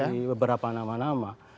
di beberapa nama nama